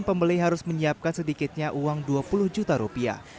pembeli harus menyiapkan sedikitnya uang dua puluh juta rupiah